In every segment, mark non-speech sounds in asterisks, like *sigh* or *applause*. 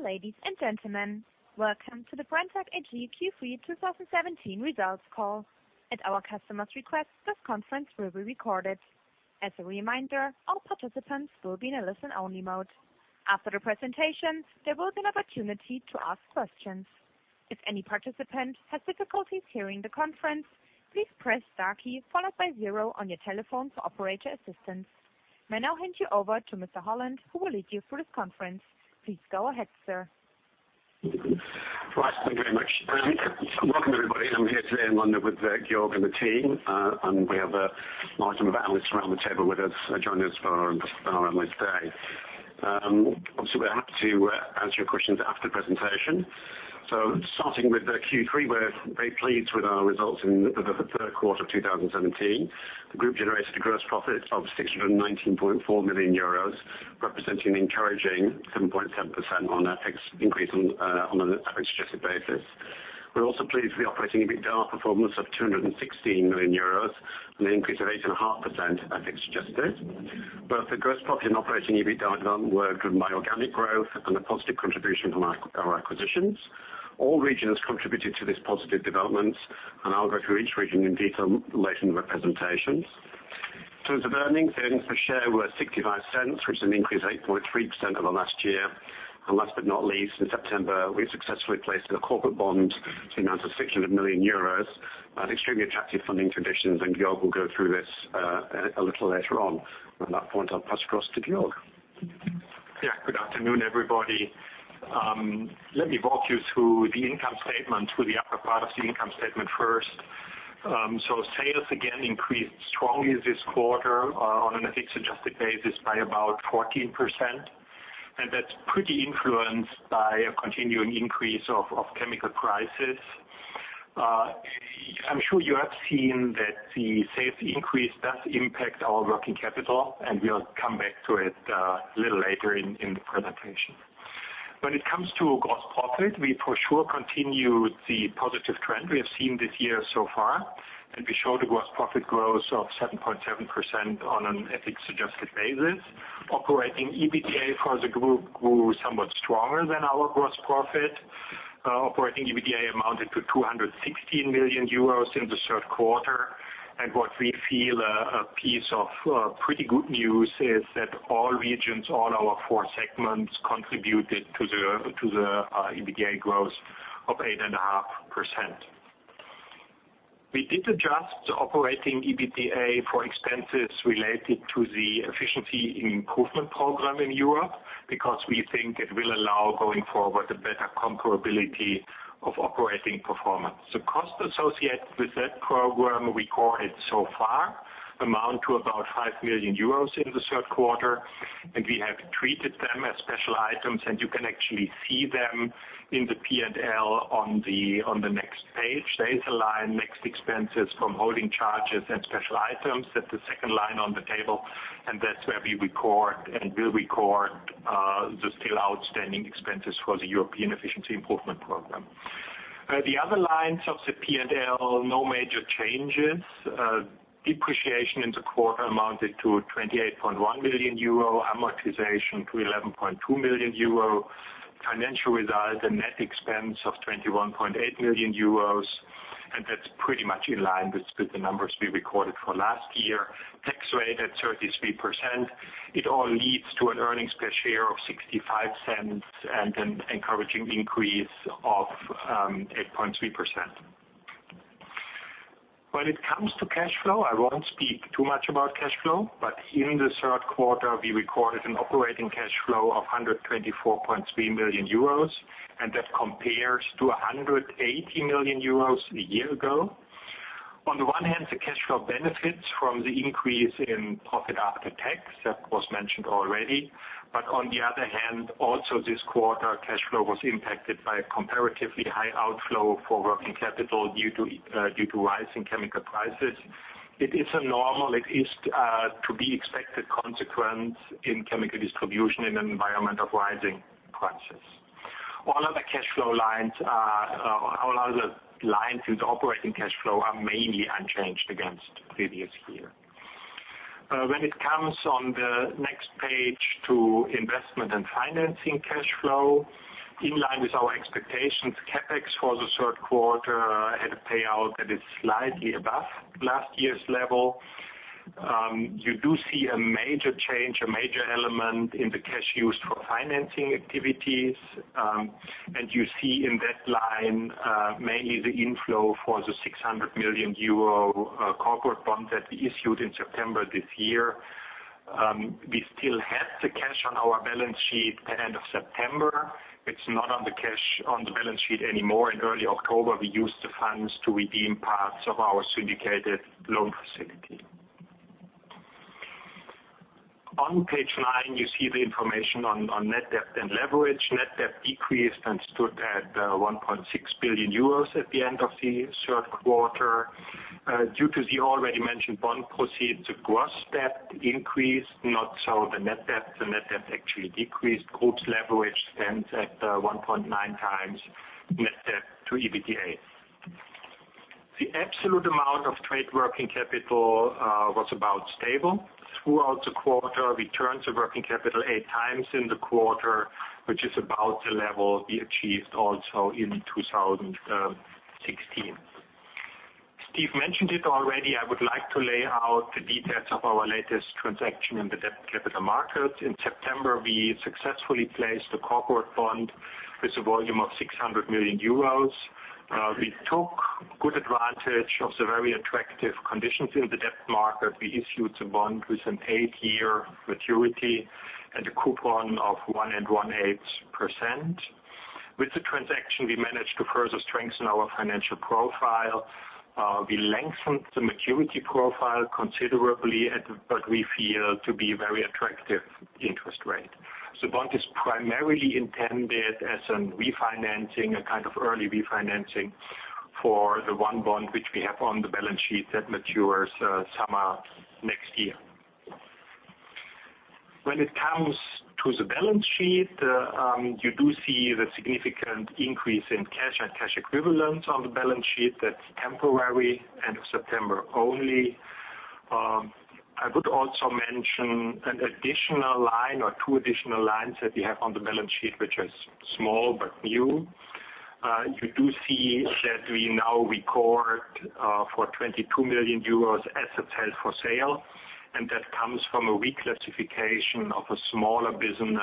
Dear ladies and gentlemen, welcome to the Brenntag AG Q3 2017 results call. At our customers' request, this conference will be recorded. As a reminder, all participants will be in a listen-only mode. After the presentation, there will be an opportunity to ask questions. If any participant has difficulties hearing the conference, please press star key followed by zero on your telephone for operator assistance. May I now hand you over to Mr. Holland, who will lead you through this conference. Please go ahead, sir. Right. Thank you very much. Welcome everybody. I'm here today in London with Georg and the team, and we have a large number of analysts around the table with us, joining us for our analyst day. Obviously, we're happy to answer your questions after the presentation. Starting with the Q3, we're very pleased with our results in the third quarter of 2017. The group generated a gross profit of 619.4 million euros, representing an encouraging 7.7% on FX increase on an FX adjusted basis. We're also pleased with the operating EBITDA performance of EUR 216 million and an increase of 8.5% FX adjusted. Both the gross profit and operating EBITDA development were driven by organic growth and a positive contribution from our acquisitions. All regions contributed to this positive development, and I'll go through each region in detail later in the presentation. In terms of earnings per share were 0.65, which is an increase 8.3% over last year. Last but not least, in September, we successfully placed a corporate bond in the amount of 600 million euros at extremely attractive funding conditions, and Georg will go through this a little later on. On that point, I'll pass across to Georg. Good afternoon, everybody. Let me walk you through the income statement, through the upper part of the income statement first. Sales again increased strongly this quarter on an FX adjusted basis by about 14%, and that's pretty influenced by a continuing increase of chemical prices. I'm sure you have seen that the sales increase does impact our trade working capital, and we'll come back to it a little later in the presentation. When it comes to gross profit, we for sure continue the positive trend we have seen this year so far, and we show the gross profit growth of 7.7% on an FX adjusted basis. Operating EBITDA for the group grew somewhat stronger than our gross profit. Operating EBITDA amounted to 216 million euros in the third quarter. What we feel a piece of pretty good news is that all regions, all our four segments, contributed to the EBITDA growth of 8.5%. We did adjust the operating EBITDA for expenses related to the efficiency improvement program in Europe because we think it will allow, going forward, a better comparability of operating performance. The cost associated with that program we recorded so far amount to about 5 million euros in the third quarter, and we have treated them as special items, and you can actually see them in the P&L on the next page. There is a line, mixed expenses from holding charges and special items. That's the second line on the table, and that's where we record and will record the still outstanding expenses for the European efficiency improvement program. The other lines of the P&L, no major changes. Depreciation in the quarter amounted to 28.1 million euro, amortization to 11.2 million euro. Financial result, a net expense of 21.8 million euros, and that's pretty much in line with the numbers we recorded for last year. Tax rate at 33%. It all leads to an earnings per share of 0.65 and an encouraging increase of 8.3%. When it comes to cash flow, I won't speak too much about cash flow, but in the third quarter, we recorded an operating cash flow of 124.3 million euros, and that compares to 180 million euros a year ago. On the one hand, the cash flow benefits from the increase in profit after tax, that was mentioned already. On the other hand, also this quarter, cash flow was impacted by a comparatively high outflow for working capital due to rise in chemical prices. It is a normal, to-be-expected consequence in chemical distribution in an environment of rising prices. All other lines with operating cash flow are mainly unchanged against the previous year. When it comes, on the next page, to investment and financing cash flow, in line with our expectations, CapEx for the third quarter had a payout that is slightly above last year's level. You do see a major change, a major element in the cash used for financing activities. You see in that line, mainly the inflow for the 600 million euro corporate bond that we issued in September this year. We still had the cash on our balance sheet at end of September. It's not on the balance sheet anymore. In early October, we used the funds to redeem parts of our syndicated loan facility. On page nine, you see the information on net debt and leverage. Net debt decreased and stood at 1.6 billion euros at the end of the third quarter. Due to the already mentioned bond proceeds, the gross debt increased, not so the net debt. The net debt actually decreased. Group's leverage stands at 1.9 times net debt to EBITDA. The absolute amount of trade working capital was about stable throughout the quarter. We turned the working capital eight times in the quarter, which is about the level we achieved also in 2016. Steve mentioned it already. I would like to lay out the details of our latest transaction in the debt capital market. In September, we successfully placed a corporate bond with a volume of 600 million euros. We took good advantage of the very attractive conditions in the debt market. We issued the bond with an eight-year maturity and a coupon of 1.18%. With the transaction, we managed to further strengthen our financial profile. We lengthened the maturity profile considerably at what we feel to be very attractive interest rate. The bond is primarily intended as a refinancing, a kind of early refinancing for the one bond which we have on the balance sheet that matures summer next year. When it comes to the balance sheet, you do see the significant increase in cash and cash equivalents on the balance sheet. That's temporary, end of September only. I would also mention an additional line or two additional lines that we have on the balance sheet, which are small but new. You do see that we now record for 22 million euros assets held for sale. That comes from a reclassification of a smaller business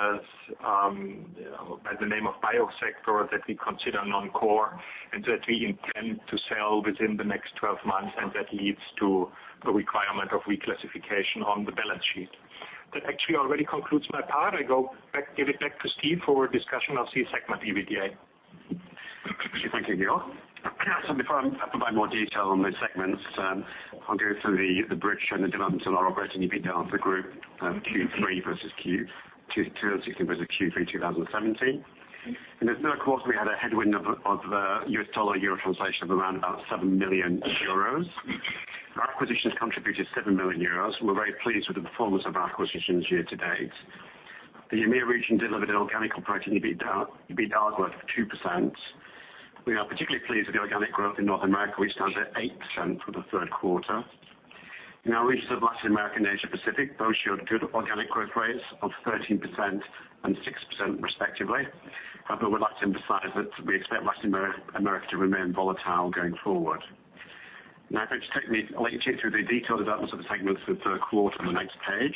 by the name of Biosector that we consider non-core and that we intend to sell within the next 12 months. That leads to a requirement of reclassification on the balance sheet. That actually already concludes my part. I give it back to Steve for a discussion of C segment EBITDA. Thank you, Georg. Before I provide more detail on those segments, I'll go through the bridge and the development of our operating EBITDA of the group Q3 versus Q2 2016 versus Q3 2017. As noted, of course, we had a headwind of US dollar-euro translation of around about 7 million euros. Our acquisitions contributed 7 million euros. We're very pleased with the performance of our acquisitions year to date. The EMEA region delivered an organic operating EBITDA growth of 2%. We are particularly pleased with the organic growth in North America, which stands at 8% for the third quarter. In our regions of Latin America and Asia Pacific, both showed good organic growth rates of 13% and 6% respectively. I would like to emphasize that we expect Latin America to remain volatile going forward. I'll let you take through the detailed developments of the segments for the third quarter on the next page.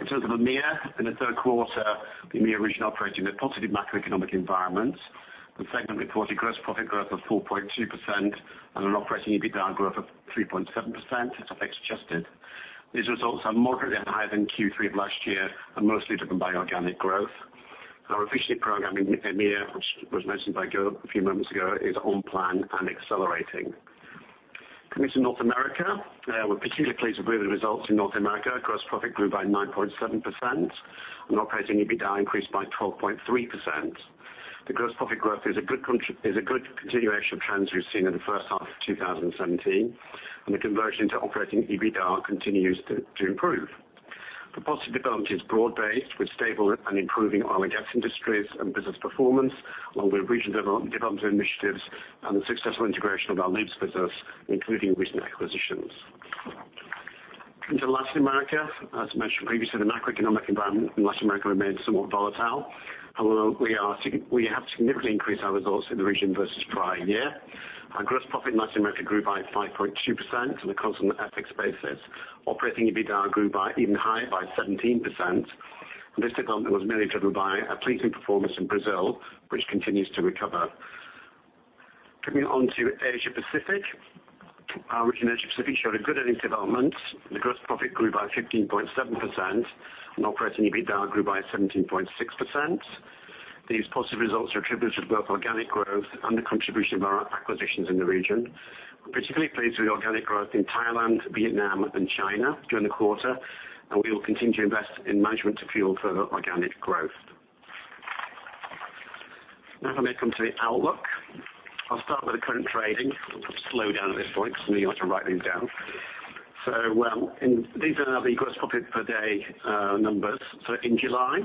In terms of EMEA in the third quarter, EMEA region operating in a positive macroeconomic environment. The segment reported gross profit growth of 4.2% and an operating EBITDA growth of 3.7%, as FX adjusted. These results are moderately higher than Q3 of last year and mostly driven by organic growth. Our efficiency program in EMEA, which was mentioned by Georg a few moments ago, is on plan and accelerating. Coming to North America. We're particularly pleased with the results in North America. Gross profit grew by 9.7%, and operating EBITDA increased by 12.3%. The gross profit growth is a good continuation of trends we've seen in the first half of 2017, and the conversion to operating EBITDA continues to improve. The positive development is broad-based with stable and improving oil and gas industries and business performance, along with regional development initiatives and the successful integration of our labs business, including recent acquisitions. Coming to Latin America. As mentioned previously, the macroeconomic environment in Latin America remained somewhat volatile, although we have significantly increased our results in the region versus prior year. Our gross profit in Latin America grew by 5.2% on a constant FX basis. Operating EBITDA grew by even higher, by 17%, and this development was mainly driven by a pleasing performance in Brazil, which continues to recover. Coming on to Asia Pacific. Our region, Asia Pacific, showed a good earnings development. The gross profit grew by 15.7%, and operating EBITDA grew by 17.6%. These positive results are attributed to both organic growth and the contribution of our acquisitions in the region. We're particularly pleased with the organic growth in Thailand, Vietnam, and China during the quarter, and we will continue to invest in management to fuel further organic growth. If I may come to the outlook. I'll start with the current trading. I'll slow down at this point because I know you like to write these down. These are the gross profit per day numbers. In July,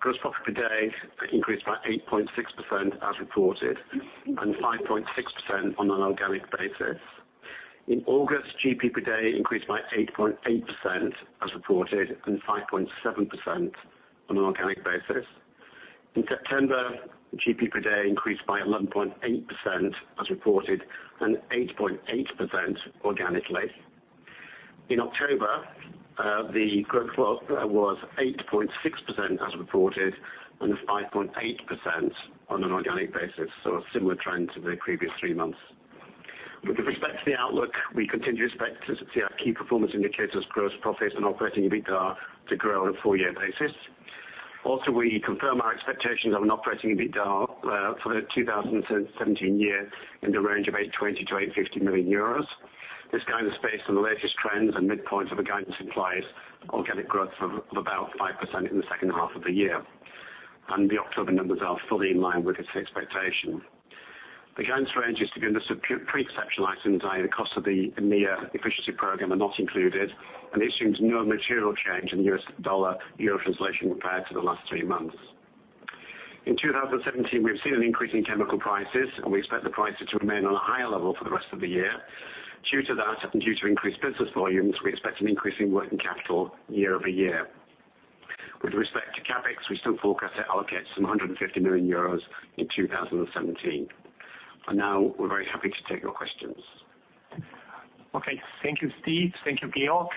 gross profit per day increased by 8.6% as reported and 5.6% on an organic basis. In August, GP per day increased by 8.8% as reported and 5.7% on an organic basis. In September, GP per day increased by 11.8% as reported and 8.8% organically. In October, the growth was 8.6% as reported and 5.8% on an organic basis. A similar trend to the previous three months. With respect to the outlook, we continue to expect to see our key performance indicators gross profits and operating EBITDA to grow on a full-year basis. Also, we confirm our expectations of an operating EBITDA for the 2017 year in the range of 820 million-850 million euros. This guidance is based on the latest trends and midpoints of the guidance implies organic growth of about 5% in the second half of the year. The October numbers are fully in line with this expectation. The guidance range is to be understood pre-exceptional items and the cost of the EMEA efficiency program are not included and assumes no material change in U.S. dollar-euro translation compared to the last three months. In 2017, we've seen an increase in chemical prices, we expect the prices to remain on a higher level for the rest of the year. Due to that, due to increased business volumes, we expect an increase in working capital year-over-year. With respect to CapEx, we still forecast to allocate some 150 million euros in 2017. Now we're very happy to take your questions. Okay. Thank you, Steve. Thank you, Georg.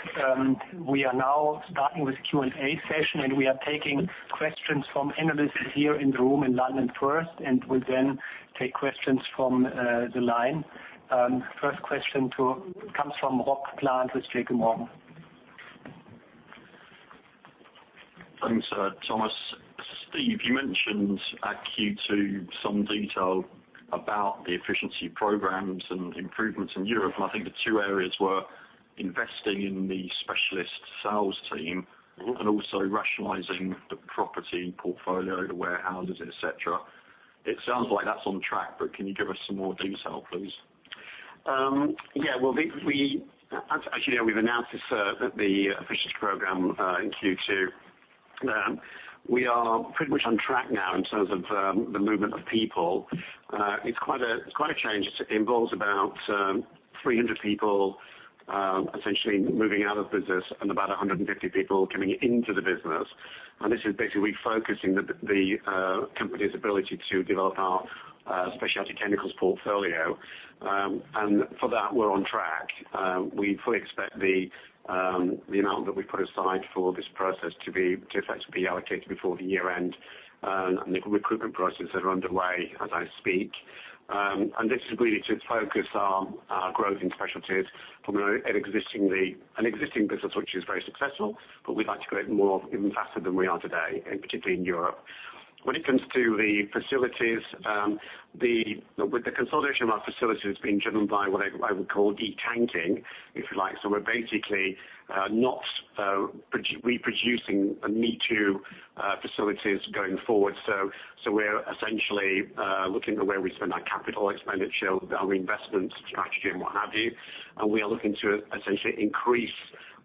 We are now starting with the Q&A session. We are taking questions from analysts here in the room in London first. We will then take questions from the line. First question comes from Rob Plant with J.P. Morgan. Thanks, Tom Sykes. Steve, you mentioned at Q2 some detail about the Efficiency Programs and improvements in Europe. I think the two areas were investing in the specialist sales team and also rationalizing the property portfolio, the warehouses, et cetera. It sounds like that is on track. Can you give us some more detail, please? Yeah. As you know, we have announced the Efficiency Program in Q2. We are pretty much on track now in terms of the movement of people. It is quite a change. It involves about 300 people essentially moving out of business and about 150 people coming into the business. This is basically refocusing the company's ability to develop our specialty chemicals portfolio. For that, we are on track. We fully expect the amount that we put aside for this process to effectively be allocated before the year-end. The recruitment processes are underway as I speak. This is really to focus our growth in specialties from an existing business, which is very successful, but we would like to grow it more, even faster than we are today, and particularly in Europe. When it comes to the facilities, with the consolidation of our facilities being driven by what I would call destocking, if you like. We are basically not reproducing a me-too facilities going forward. We are essentially looking at where we spend our capital expenditure, our investment strategy and what have you. We are looking to essentially increase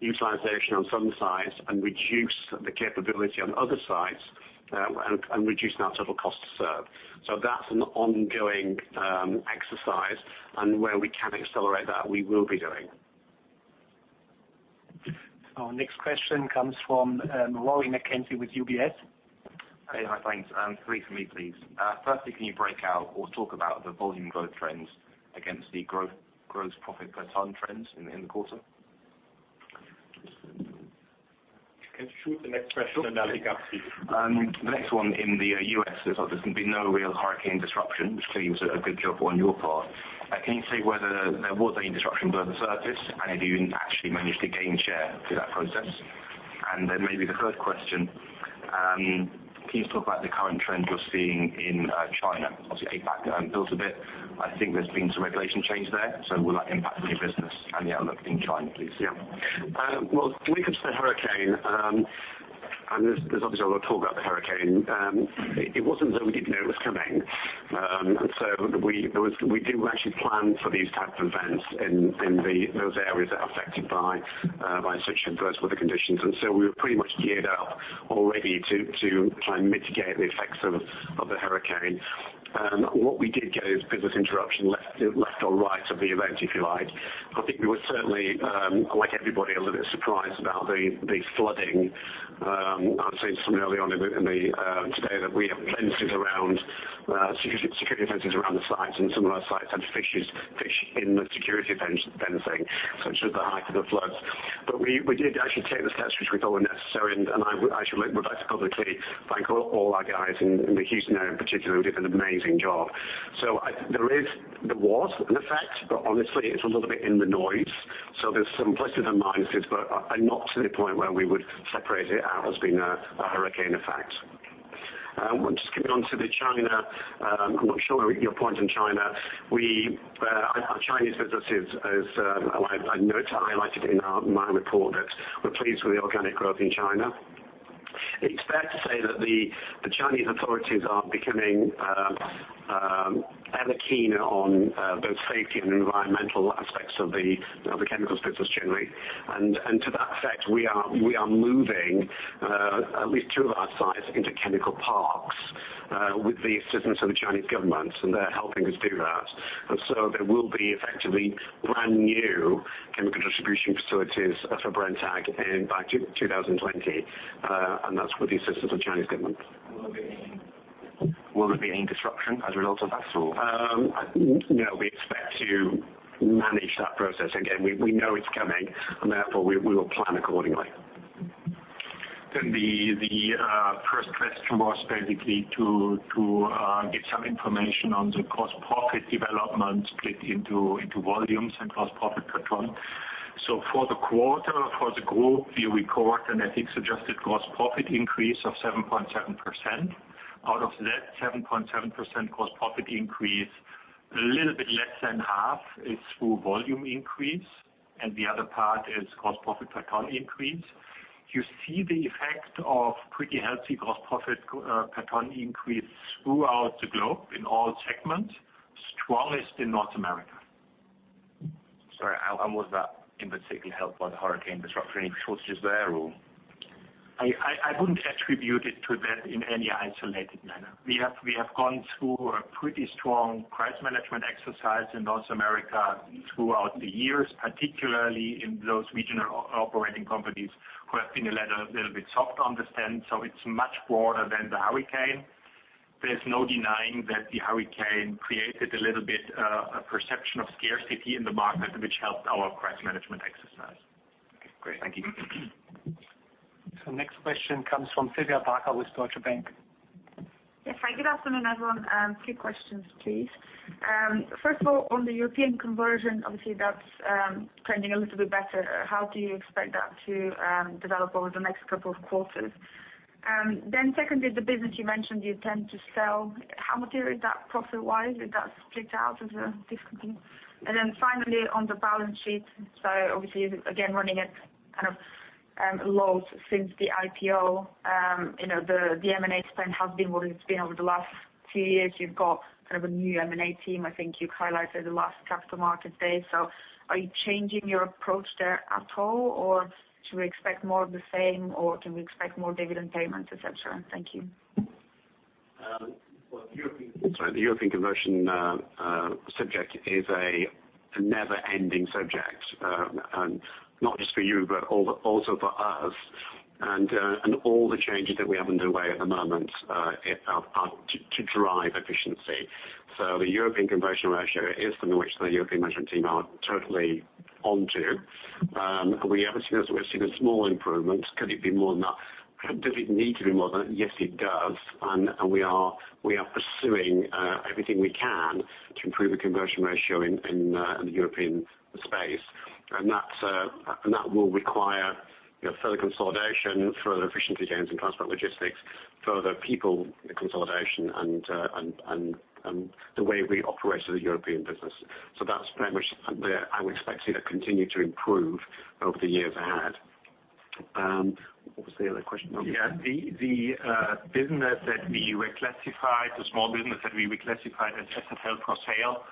utilization on some sites and reduce the capability on other sites and reduce our total cost to serve. That is an ongoing exercise. Where we can accelerate that, we will be doing. Our next question comes from Rory McKenzie with UBS. Hi. Thanks. Three for me, please. Firstly, can you break out or talk about the volume growth trends against the gross profit per ton trends in the quarter? Can you shoot the next question and I'll pick up, Steve? The next one in the U.S., there's obviously been no real hurricane disruption, which clearly was a good job on your part. Have you actually managed to gain share through that process? Maybe the third question, can you talk about the current trend you're seeing in China? Obviously, take back builds a bit. I think there's been some regulation change there. Will that impact your business and the outlook in China, please? Yeah. When it comes to the hurricane, there's obviously a lot of talk about the hurricane. It wasn't as though we didn't know it was coming. We did actually plan for these types of events in those areas that are affected by such adverse weather conditions. We were pretty much geared up already to try and mitigate the effects of the hurricane. What we did get is business interruption left or right of the event, if you like. I think we were certainly, like everybody, a little bit surprised about the flooding. I was saying to someone earlier on today that we have fences around, security fences around the sites, and some of our sites had fish in the security fencing, such was the height of the floods. We did actually take the steps which we thought were necessary, and I should like to publicly thank all our guys in the Houston area in particular, who did an amazing job. There was an effect, but honestly, it's a little bit in the noise. There's some pluses and minuses, but not to the point where we would separate it out as being a hurricane effect. Just skipping on to the China, I'm not sure your point on China. Our Chinese business is, I noted, highlighted in my report that we're pleased with the organic growth in China. It's fair to say that the Chinese authorities are becoming ever keen on both safety and environmental aspects of the chemicals business generally. To that effect, we are moving at least two of our sites into chemical parks with the assistance of the Chinese government, and they're helping us do that. There will be effectively brand new chemical distribution facilities for Brenntag by 2020, and that's with the assistance of the Chinese government. Will there be any disruption as a result of that? No. We expect to manage that process. Again, we know it's coming, and therefore, we will plan accordingly. The first question was basically to get some information on the gross profit development split into volumes and gross profit per ton. For the quarter, for the group, we record and I think suggested gross profit increase of 7.7%. Out of that 7.7% gross profit increase, a little bit less than half is through volume increase, and the other part is gross profit per ton increase. You see the effect of pretty healthy gross profit per ton increase throughout the globe in all segments, strongest in North America. Sorry, and was that in particular helped by the hurricane disruption, any shortages there, or? I wouldn't attribute it to that in any isolated manner. We have gone through a pretty strong price management exercise in North America throughout the years, particularly in those regional operating companies who have been a little bit soft on the spend, so it's much broader than the hurricane. There's no denying that the hurricane created a little bit of perception of scarcity in the market, which helped our price management exercise. Okay, great. Thank you. Next question comes from Silvia Backer with Deutsche Bank. Yes, hi, good afternoon, everyone. Two questions please. First of all, on the European conversion, obviously that's trending a little bit better. How do you expect that to develop over the next couple of quarters? Secondly, the business you mentioned you intend to sell, how material is that profit-wise? Is that split out as a different thing? Finally, on the balance sheet. Obviously again, running it kind of low since the IPO. The M&A spend has been what it's been over the last two years. You've got a new M&A team, I think you highlighted the last capital market day. Are you changing your approach there at all? Should we expect more of the same, or can we expect more dividend payments, et cetera? Thank you. Well, the European conversion subject is a never-ending subject. Not just for you, but also for us. All the changes that we have underway at the moment are to drive efficiency. The European conversion ratio is something which the European management team are totally onto. We have seen a small improvement. Could it be more than that? Does it need to be more than? Yes, it does. We are pursuing everything we can to improve the conversion ratio in the European space. That will require further consolidation, further efficiency gains in transport logistics, further people consolidation and the way we operate as a European business. That's very much where I would expect it to continue to improve over the years ahead. What was the other question? Yeah. The business that we reclassified, the small business that we reclassified as assets held for sale,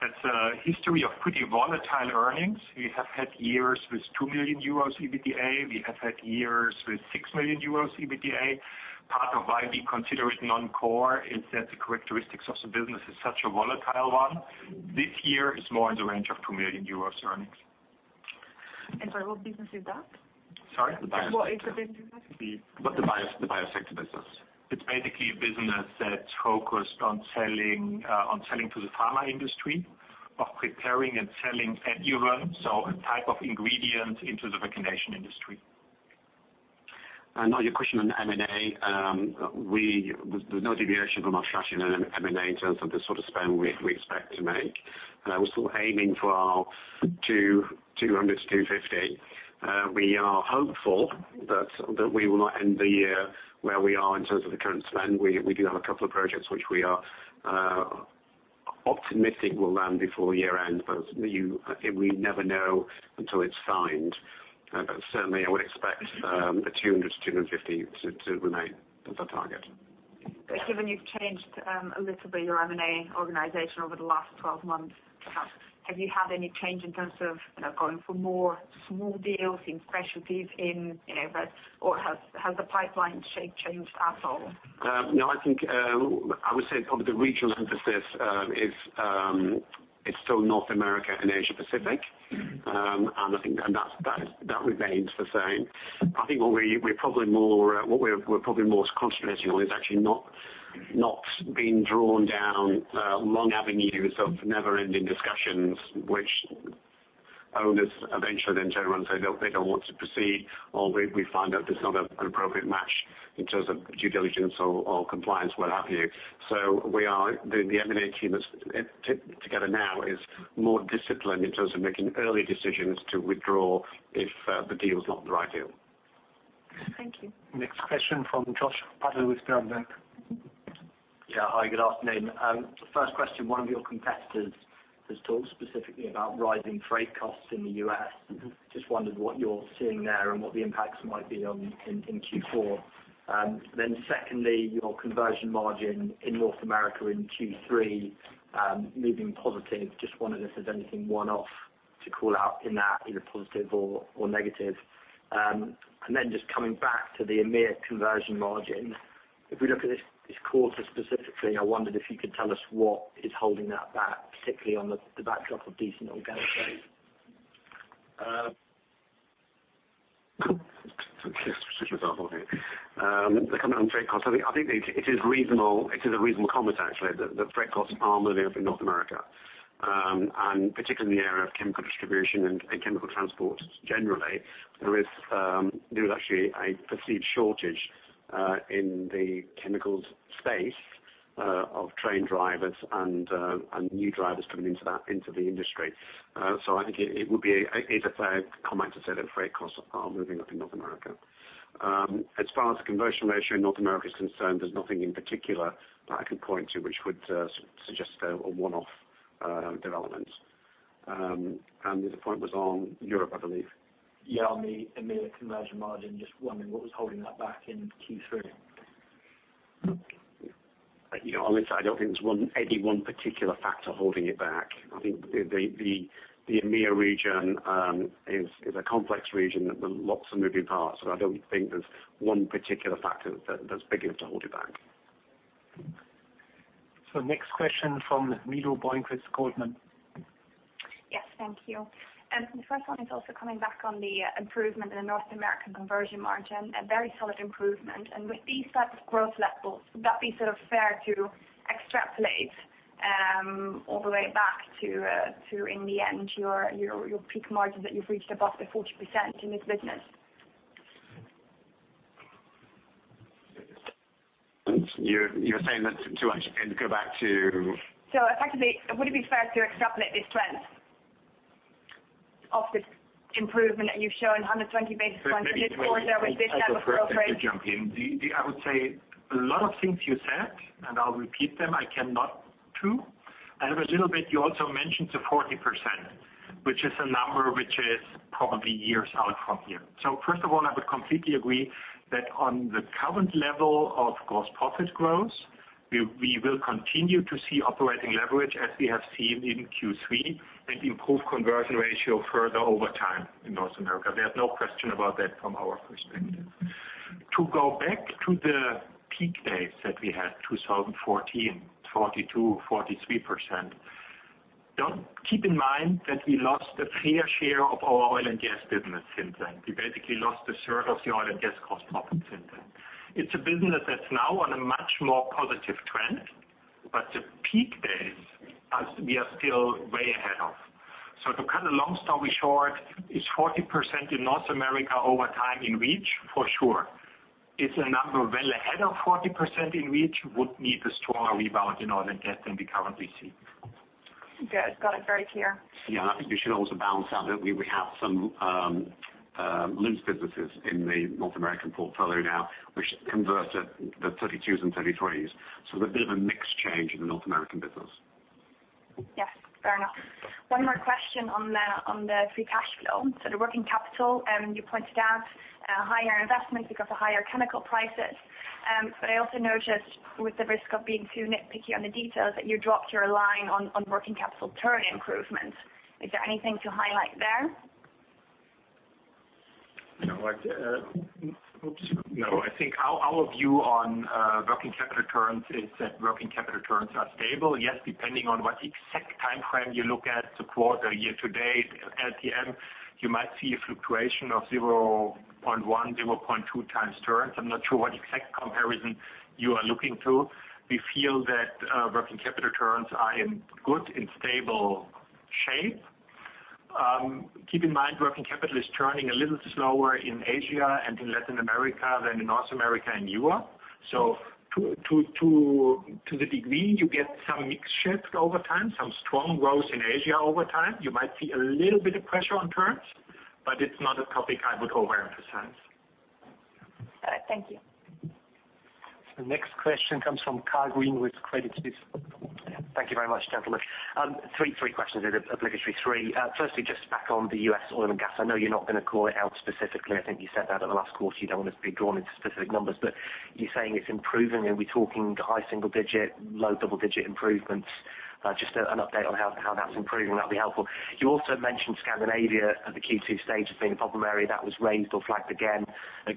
that's a history of pretty volatile earnings. We have had years with 2 million euros EBITDA. We have had years with 6 million euros EBITDA. Part of why we consider it non-core is that the characteristics of the business is such a volatile one. This year it's more in the range of 2 million euros earnings. Sorry, what business is that? Sorry? The Biosector business. It's basically a business that's focused on selling to the pharmaceutical industry. Of preparing and selling. *audio distortion* The comment on freight costs. I think it is a reasonable comment actually, that freight costs are moving up in North America. Particularly in the area of chemical distribution and chemical transport generally. There is actually a perceived shortage in the chemicals space of train drivers and new drivers coming into the industry. I think it would be a fair comment to say that freight costs are moving up in North America. As far as the conversion ratio in North America is concerned, there's nothing in particular that I can point to which would suggest a one-off development. The other point was on Europe, I believe. Yeah, on the EMEA conversion margin, just wondering what was holding that back in Q3? On this, I don't think there's any one particular factor holding it back. I think the EMEA region is a complex region with lots of moving parts. I don't think there's one particular factor that's big enough to hold it back. Next question from Milo Bohinc with Goldman. Yes, thank you. The first one is also coming back on the improvement in the North American conversion margin, a very solid improvement. With these types of growth levels, would that be fair to extrapolate all the way back to, in the end, your peak margin that you've reached above the 40% in this business? You're saying that to actually go back to- Effectively, would it be fair to extrapolate this trend of the improvement that you've shown 120 basis points before there was this level of growth rate? I would prefer to jump in. I would say a lot of things you said, and I'll repeat them, I cannot too. A little bit, you also mentioned the 40%, which is a number which is probably years out from here. First of all, I would completely agree that on the current level of gross profit growth, we will continue to see operating leverage as we have seen in Q3 and improve conversion ratio further over time in North America. There's no question about that from our perspective. To go back to the peak days that we had, 2014, 42%, 43%. Keep in mind that we lost a fair share of our oil and gas business since then. We basically lost a third of the oil and gas gross profit since then. It's a business that's now on a much more positive trend, but the peak days, we are still way ahead of. To cut a long story short, is 40% in North America over time in reach? For sure. Is a number well ahead of 40% in reach? Would need a stronger rebound in oil and gas than we currently see. Good. Got it. Very clear. Yeah, I think we should also balance out that we have some lubes businesses in the North American portfolio now, which convert at the 32s and 33s. There's a bit of a mix change in the North American business. Yes. Fair enough. One more question on the free cash flow. The working capital, you pointed out higher investments because of higher chemical prices. I also noticed with the risk of being too nitpicky on the details, that you dropped your line on working capital turn improvement. Is there anything to highlight there? No. I think our view on working capital turns is that working capital turns are stable. Yes, depending on what exact timeframe you look at, the quarter, year-to-date, LTM, you might see a fluctuation of 0.1, 0.2 times turns. I'm not sure what exact comparison you are looking to. We feel that working capital turns are in good, in stable shape. Keep in mind, working capital is turning a little slower in Asia and in Latin America than in North America and Europe. To the degree you get some mix shift over time, some strong growth in Asia over time, you might see a little bit of pressure on turns, but it's not a topic I would overemphasize. All right. Thank you. The next question comes from Carl Raynsford with Credit Suisse. Thank you very much, gentlemen. Three questions, the obligatory three. Firstly, just back on the U.S. oil and gas. I know you're not going to call it out specifically. I think you said that at the last quarter. You don't want to be drawn into specific numbers, but you're saying it's improving. Are we talking high single-digit, low double-digit improvements? Just an update on how that's improving, that'd be helpful. You also mentioned Scandinavia at the Q2 stage as being a problem area that was raised or flagged again, the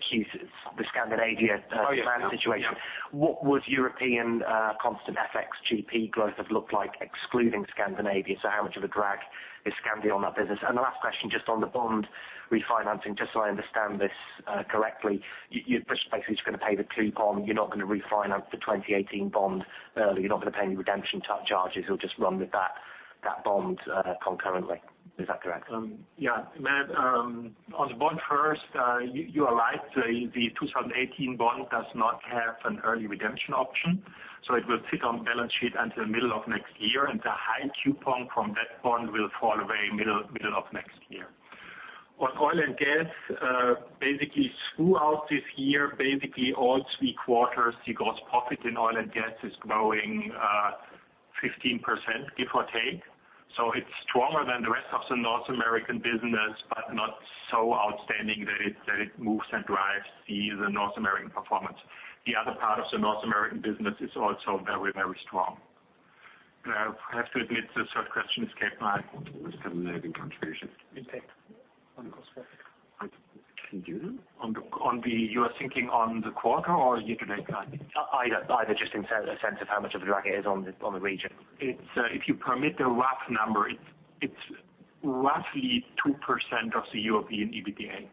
Scandinavia demand situation. Oh, yes. What would European constant FX GP growth have looked like excluding Scandinavia? How much of a drag is Scandi on that business? The last question, just on the bond refinancing, just so I understand this correctly, you're basically just going to pay the coupon, you're not going to refinance the 2018 bond early. You're not going to pay any redemption charges. You'll just run with that bond concurrently. Is that correct? Yeah. On the bond first, you are right. The 2018 bond does not have an early redemption option, so it will sit on the balance sheet until middle of next year, and the high coupon from that bond will fall away middle of next year. On oil and gas, basically throughout this year, basically all three quarters, the gross profit in oil and gas is growing 15%, give or take. It's stronger than the rest of the North American business, but not so outstanding that it moves and drives the North American performance. The other part of the North American business is also very strong. I have to admit, the third question escaped my The Scandinavia contribution impact on gross profit. Can you? You are thinking on the quarter or year to date? Either. Just in sense of how much of a drag it is on the region. If you permit the rough number, it's roughly 2% of the European EBITDA.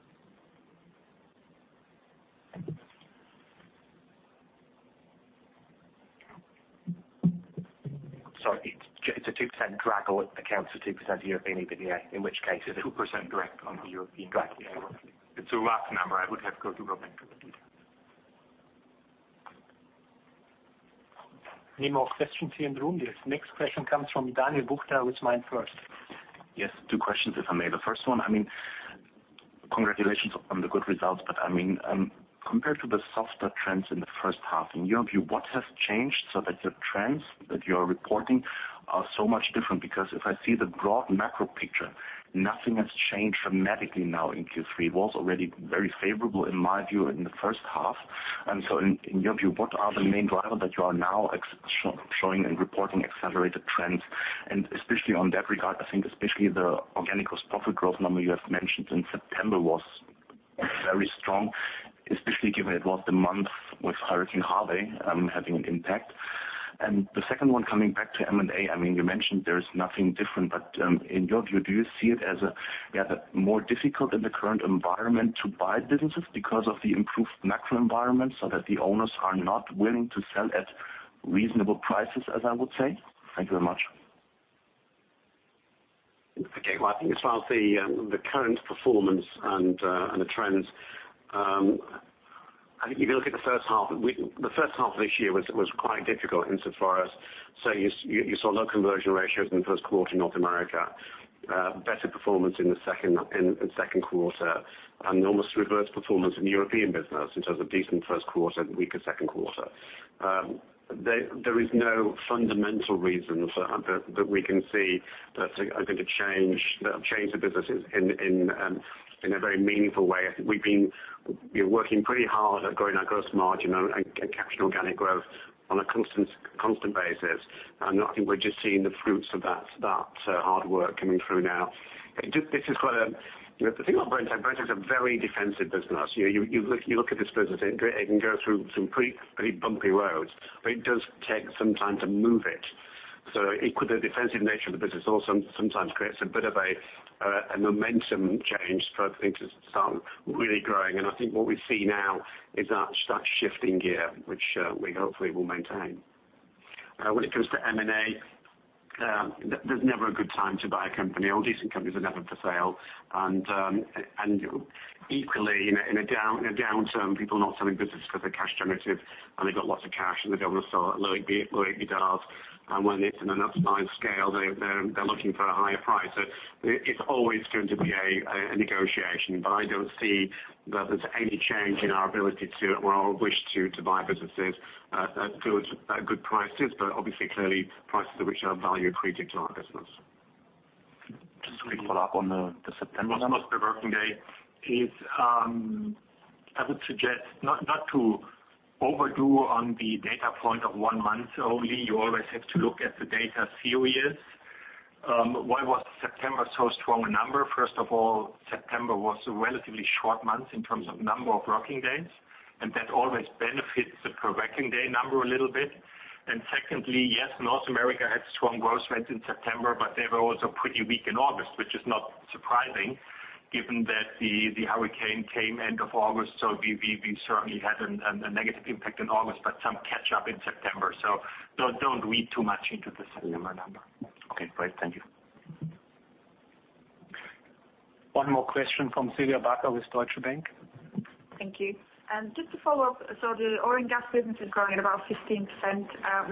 Sorry, it's a 2% drag or it accounts for 2% of European EBITDA. 2% drag on the European EBITDA. Drag. It's a rough number. I would have to go to Robin for the details. Any more questions here in the room? Yes. Next question comes from Daniel Buchta with MainFirst. Yes, two questions, if I may. The first one, congratulations on the good results. Compared to the softer trends in the first half, in your view, what has changed so that the trends that you're reporting are so much different. If I see the broad macro picture, nothing has changed dramatically now in Q3. It was already very favorable, in my view, in the first half. In your view, what are the main drivers that you are now showing and reporting accelerated trends, and especially on that regard, I think especially the organic profit growth number you have mentioned in September was very strong, especially given it was the month with Hurricane Harvey having an impact. The second one, coming back to M&A. You mentioned there is nothing different, but in your view, do you see it as more difficult in the current environment to buy businesses because of the improved macro environment so that the owners are not willing to sell at reasonable prices, as I would say? Thank you very much. Okay. Well, I think as far as the current performance and the trends, I think if you look at the first half, the first half of this year was quite difficult insofar as, so you saw low conversion ratios in the first quarter in North America, better performance in the second quarter, and almost reverse performance in the European business in terms of decent first quarter, weaker second quarter. There is no fundamental reason that we can see that are going to change the businesses in a very meaningful way. I think we've been working pretty hard at growing our gross margin and capturing organic growth on a constant basis. I think we're just seeing the fruits of that hard work coming through now. The thing about Brenntag is a very defensive business. You look at this business, it can go through some pretty bumpy roads, but it does take some time to move it. Equally, the defensive nature of the business also sometimes creates a bit of a momentum change for things to start really growing. I think what we see now is that start shifting gear, which we hopefully will maintain. When it comes to M&A, there's never a good time to buy a company, or decent companies are never for sale. Equally, in a downturn, people are not selling business because they're cash generative and they've got lots of cash and they don't want to sell it low if it does. And when it's in an upside scale, they're looking for a higher price. It's always going to be a negotiation. I don't see that there's any change in our ability to, or our wish to buy businesses at good prices. Obviously, clearly prices at which are value accretive to our business. Just a quick follow-up on the September numbers. The most per working day is, I would suggest not to overdo on the data point of one month only. You always have to look at the data seriously. Why was September so strong a number? First of all, September was a relatively short month in terms of number of working days, and that always benefits the per working day number a little bit. Secondly, yes, North America had strong growth rates in September, but they were also pretty weak in August, which is not surprising given that the hurricane came end of August. We certainly had a negative impact in August, but some catch-up in September. Don't read too much into the September number. Okay, great. Thank you. One more question from Silvia Backer with Deutsche Bank. Thank you. Just to follow up, the oil and gas business is growing at about 15%.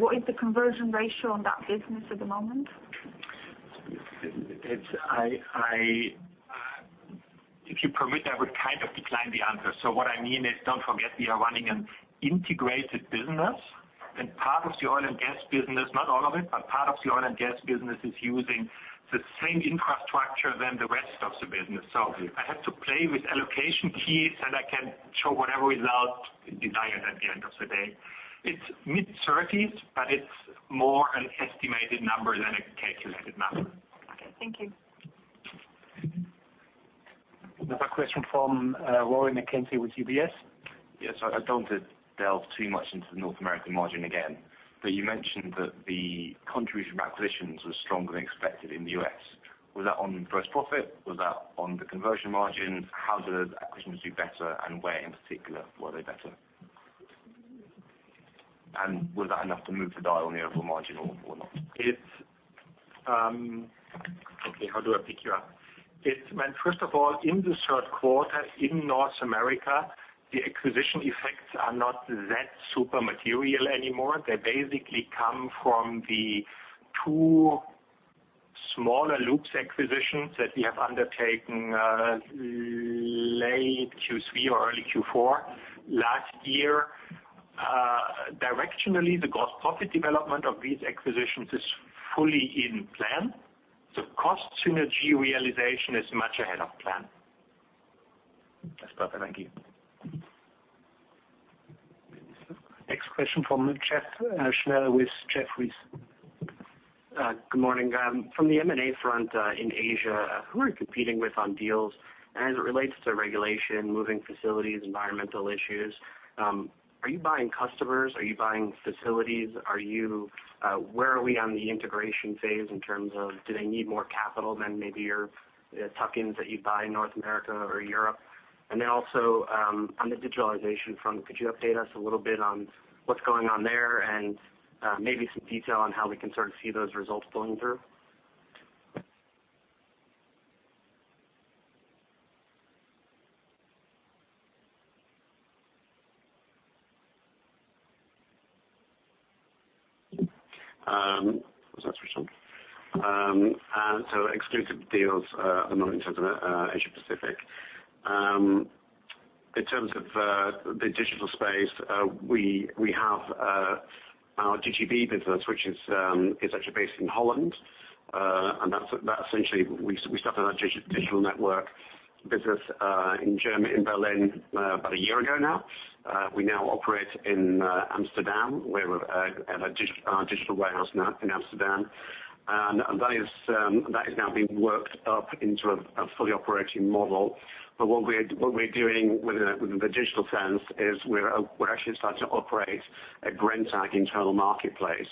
What is the conversion ratio on that business at the moment? If you permit, I would decline the answer. What I mean is, don't forget we are running an integrated business, and part of the oil and gas business, not all of it, but part of the oil and gas business is using the same infrastructure than the rest of the business. I have to play with allocation keys, and I can show whatever result desired at the end of the day. It's mid-30s, but it's more an estimated number than a calculated number. Okay. Thank you. Another question from Rory McKenzie with UBS. Yes. I don't want to delve too much into the North American margin again. You mentioned that the contribution of acquisitions was stronger than expected in the U.S. Was that on gross profit? Was that on the conversion margin? How did acquisitions do better, and where in particular were they better? Was that enough to move the dial on the overall margin or not? How do I pick you up? First of all, in the 3rd quarter in North America, the acquisition effects are not that super material anymore. They basically come from the two smaller lubes acquisitions that we have undertaken late Q3 or early Q4 last year. Directionally, the gross profit development of these acquisitions is fully in plan. The cost synergy realization is much ahead of plan. That's perfect. Thank you. Next question from Jeff Schneller with Jefferies. Good morning. From the M&A front in Asia, who are you competing with on deals? As it relates to regulation, moving facilities, environmental issues, are you buying customers? Are you buying facilities? Where are we on the integration phase in terms of do they need more capital than maybe your tuck-ins that you buy in North America or Europe? On the digitalization front, could you update us a little bit on what's going on there and maybe some detail on how we can start to see those results flowing through? I'll start, Richard. Exclusive deals are not in terms of Asia Pacific. In terms of the digital space, we have our GGB business, which is actually based in Holland. That essentially, we started our digital network business in Germany, in Berlin, about a year ago now. We now operate in Amsterdam. We have a digital warehouse now in Amsterdam, and that is now being worked up into a fully operating model. What we're doing with the digital sense is we're actually starting to operate a Brenntag internal marketplace.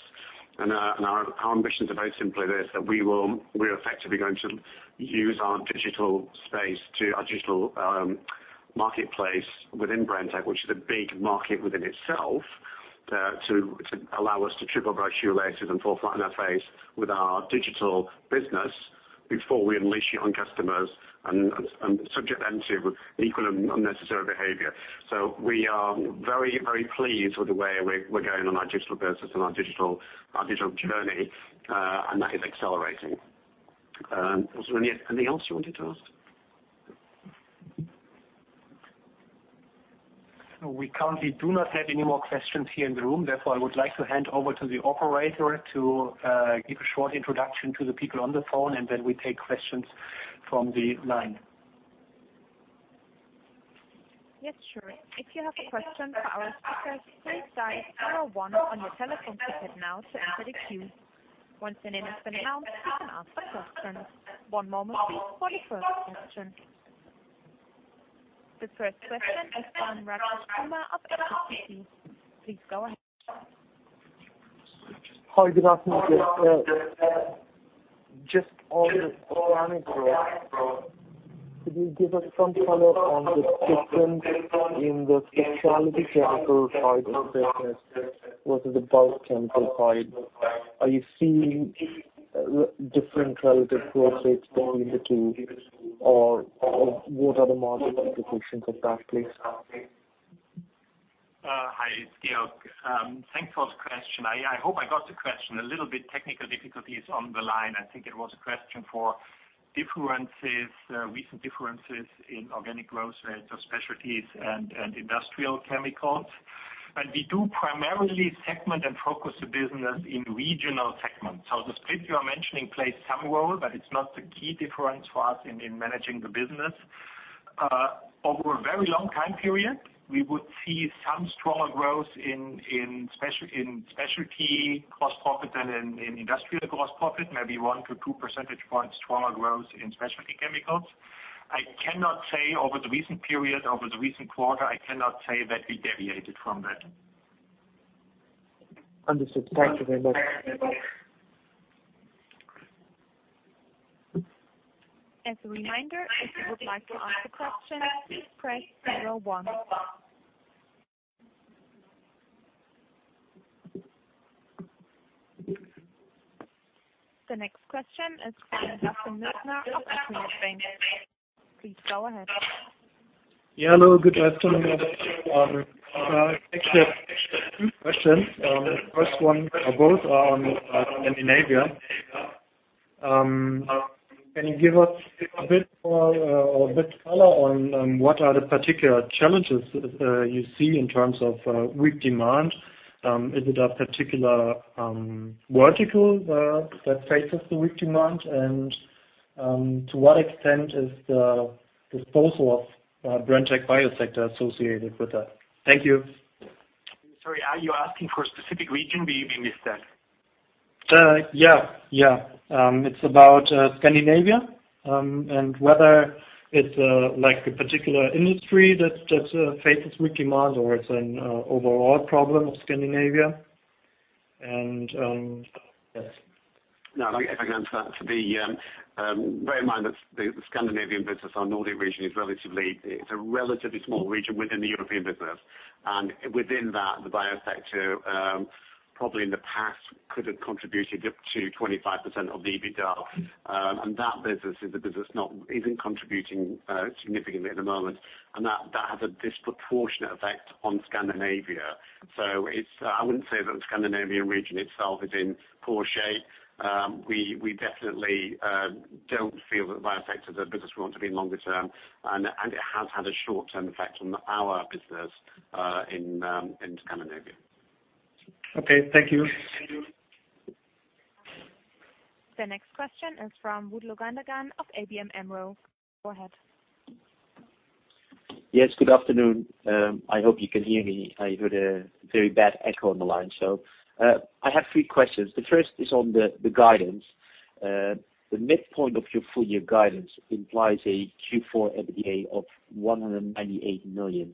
Our ambitions are very simply this, that we are effectively going to use our digital space, our digital marketplace within Brenntag, which is a big market within itself, to allow us to trip over our shoe laces and fall flat on our face with our digital business before we unleash it on customers and subject them to equal unnecessary behavior. We are very, very pleased with the way we're going on our digital business and our digital journey, and that is accelerating. Was there anything else you wanted to ask? We currently do not have any more questions here in the room, therefore, I would like to hand over to the operator to give a short introduction to the people on the phone, and then we take questions from the line. Yes, sure. If you have a question for our speakers, please dial star one on your telephone keypad now to enter the queue. Once your name has been announced, you can ask a question. One moment please, for the first question. The first question is from Raj Sharma of STT. Please go ahead. Hi, good afternoon. Just on the organic growth, could you give us some color on the difference in the specialty chemical side of the business versus the bulk chemical side? Are you seeing different relative growth rates between the two, or what are the margin implications of that, please? Hi, it's Georg. Thanks for the question. I hope I got the question. A little bit technical difficulties on the line. I think it was a question for recent differences in organic growth rates of specialties and industrial chemicals. We do primarily segment and focus the business in regional segments. The split you are mentioning plays some role, but it's not the key difference for us in managing the business. Over a very long time period, we would see some stronger growth in specialty gross profit than in industrial gross profit, maybe one to two percentage points stronger growth in specialty chemicals. I cannot say over the recent period, over the recent quarter, I cannot say that we deviated from that. Understood. Thank you very much. As a reminder, if you would like to ask a question, please press star one. The next question is from Jochen Moessner of Morgan Stanley. Please go ahead. Yeah, hello, good afternoon. Actually, I have two questions. First one, or both, are on Scandinavia. Can you give us a bit more or a bit of color on what are the particular challenges you see in terms of weak demand? Is it a particular vertical that faces the weak demand, and to what extent is the disposal of Brenntag Biosector associated with that? Thank you. Sorry, are you asking for a specific region? Maybe we missed that. Yeah. It's about Scandinavia, whether it's a particular industry that faces weak demand or it's an overall problem of Scandinavia. Yes. No, if I can answer that. Bear in mind that the Scandinavian business, our Nordic region, it's a relatively small region within the European business. Within that, the Biosector, probably in the past could have contributed up to 25% of the EBITDA. That business isn't contributing significantly at the moment. That has a disproportionate effect on Scandinavia. I wouldn't say that the Scandinavian region itself is in poor shape. We definitely don't feel that Biosector is a business we want to be in longer term, and it has had a short-term effect on our business in Scandinavia. Okay, thank you. The next question is from Ruedi Loescher of ABN Amro. Go ahead. Yes, good afternoon. I hope you can hear me. I heard a very bad echo on the line. I have three questions. The first is on the guidance. The midpoint of your full year guidance implies a Q4 EBITDA of 198 million,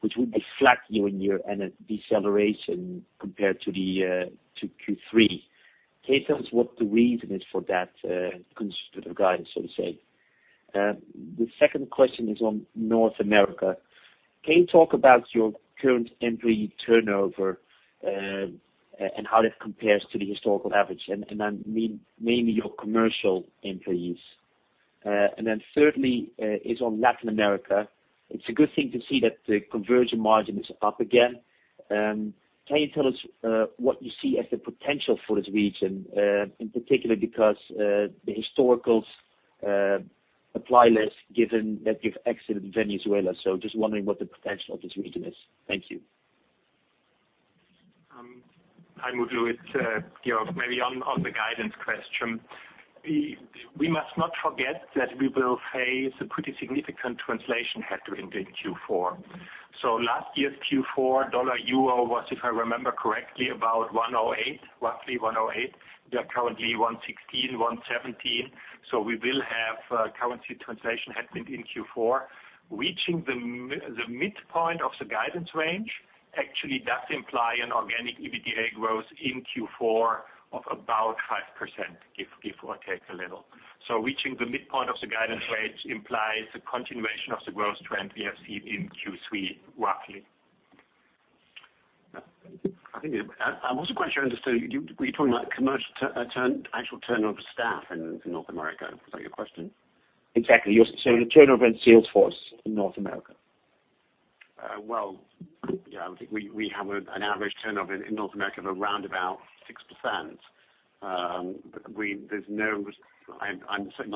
which would be flat year-on-year and a deceleration compared to Q3. Can you tell us what the reason is for that conservative guidance, so to say? The second question is on North America. Can you talk about your current employee turnover, and how that compares to the historical average? I mean mainly your commercial employees. Thirdly is on Latin America. It's a good thing to see that the conversion margin is up again. Can you tell us what you see as the potential for this region, in particular because the historicals apply less given that you've exited Venezuela. Just wondering what the potential of this region is. Thank you. I would do it, Georg, maybe on the guidance question. We must not forget that we will face a pretty significant translation headwind in Q4. Last year's Q4 dollar euro was, if I remember correctly, about 108, roughly 108. We are currently 116, 117. We will have currency translation headwind in Q4. Reaching the midpoint of the guidance range actually does imply an organic EBITDA growth in Q4 of about 5%, give or take a little. Reaching the midpoint of the guidance range implies the continuation of the growth trend we have seen in Q3, roughly. I think I wasn't quite sure I understood. Were you talking about commercial actual turnover staff in North America? Was that your question? Exactly. You were saying the turnover in sales force in North America. Well, yeah, I think we have an average turnover in North America of around about 6%. I'm certainly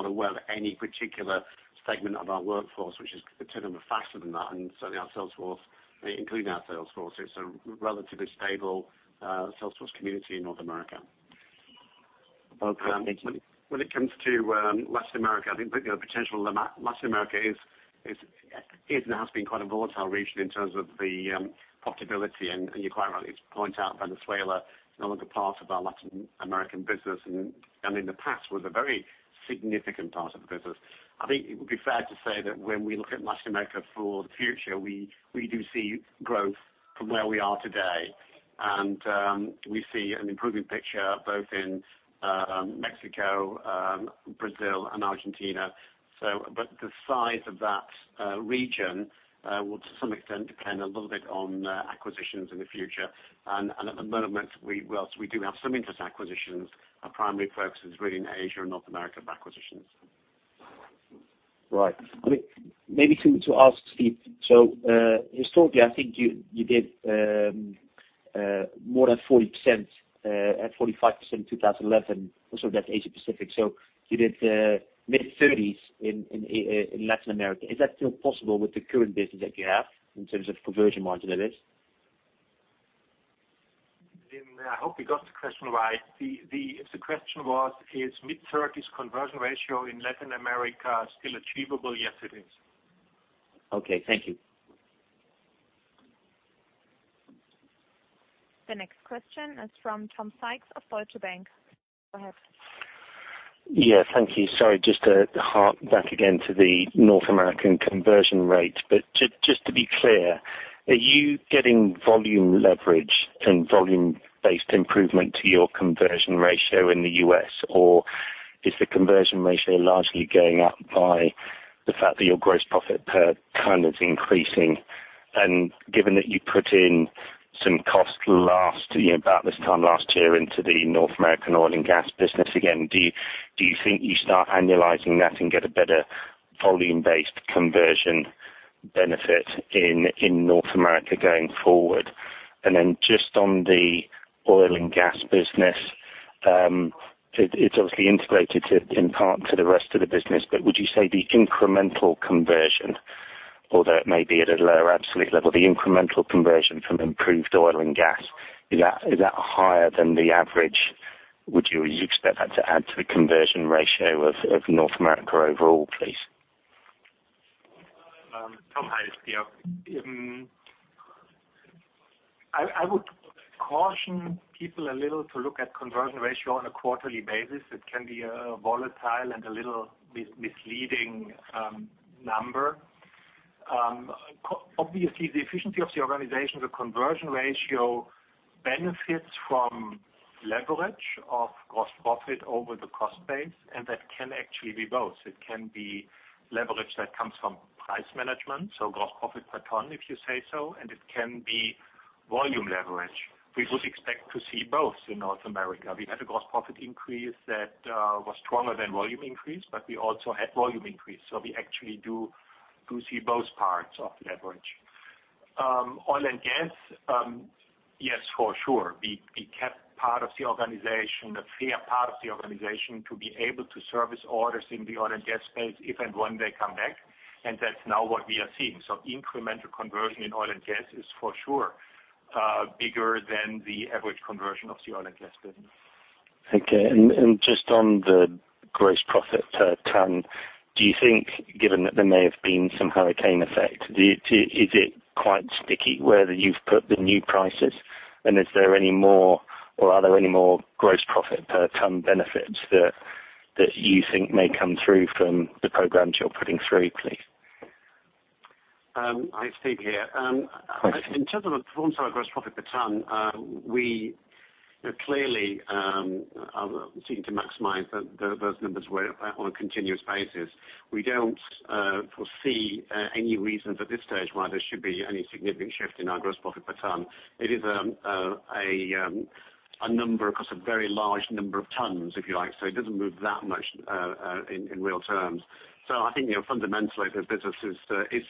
not aware of any particular segment of our workforce which is turning over faster than that, and certainly including our sales force. It's a relatively stable sales force community in North America. Okay. Thank you. When it comes to Latin America, I think the potential Latin America is and has been quite a volatile region in terms of the profitability, and you're quite right to point out Venezuela is no longer part of our Latin American business, and in the past was a very significant part of the business. I think it would be fair to say that when we look at Latin America for the future, we do see growth from where we are today. We see an improving picture both in Mexico, Brazil, and Argentina. But the size of that region will to some extent depend a little bit on acquisitions in the future. At the moment, whilst we do have some interest acquisitions, our primary focus is really in Asia and North America for acquisitions. Right. I think maybe to ask Steve. Historically, I think you did more than 40%, at 45% in 2011. Also that's Asia Pacific. You did mid-30s in Latin America. Is that still possible with the current business that you have in terms of conversion margin, that is? I hope we got the question right. If the question was, "Is mid-30s conversion ratio in Latin America still achievable?" Yes, it is. Okay. Thank you. The next question is from Tom Sykes of Deutsche Bank. Go ahead. Yeah. Thank you. Sorry, just to hark back again to the North American conversion rate. Just to be clear, are you getting volume leverage and volume-based improvement to your conversion ratio in the U.S., or is the conversion ratio largely going up by the fact that your gross profit per ton is increasing? Given that you put in some cost about this time last year into the North American oil and gas business again, do you think you start annualizing that and get a better volume-based conversion benefit in North America going forward? Just on the oil and gas business, it's obviously integrated in part to the rest of the business. Would you say the incremental conversion, although it may be at a lower absolute level, the incremental conversion from improved oil and gas, is that higher than the average? Would you expect that to add to the conversion ratio of North America overall, please? Tom, hi, it's Georg. I would caution people a little to look at conversion ratio on a quarterly basis. It can be a volatile and a little misleading number. Obviously, the efficiency of the organization, the conversion ratio benefits from leverage of gross profit over the cost base. That can actually be both. It can be leverage that comes from price management, so gross profit per ton, if you say so. It can be volume leverage. We would expect to see both in North America. We had a gross profit increase that was stronger than volume increase, but we also had volume increase. We actually do see both parts of the leverage. Oil and gas. Yes, for sure. We kept part of the organization, a fair part of the organization to be able to service orders in the oil and gas space if and when they come back. That's now what we are seeing. Incremental conversion in oil and gas is for sure bigger than the average conversion of the oil and gas business. Okay. Just on the gross profit per ton, do you think, given that there may have been some hurricane effect, is it quite sticky where you've put the new prices? Are there any more gross profit per ton benefits that you think may come through from the programs you're putting through, please? Hi, it's Steve here. Thanks. In terms of the performance of our gross profit per ton, we clearly are seeking to maximize those numbers on a continuous basis. We don't foresee any reasons at this stage why there should be any significant shift in our gross profit per ton. It is across a very large number of tons, if you like, so it doesn't move that much in real terms. I think fundamentally the business is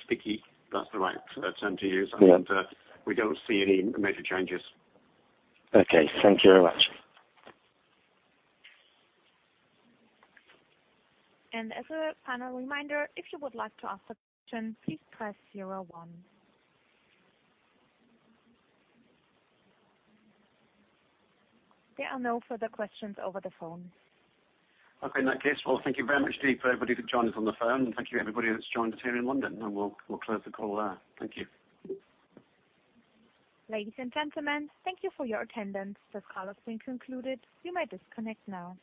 sticky. That's the right term to use. Yeah. We don't see any major changes. Okay. Thank you very much. As a final reminder, if you would like to ask a question, please press zero one. There are no further questions over the phone. Okay. In that case, well, thank you very much, Steve, for everybody that joined us on the phone, and thank you everybody that's joined us here in London, and we'll close the call there. Thank you. Ladies and gentlemen, thank you for your attendance. This call has been concluded. You may disconnect now.